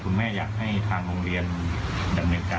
คุณแม่อยากให้ทางโรงเรียนแบบเหมือนกันเนี้ยครูนี้บ้างไหมครับ